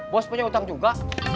bos punya utang juga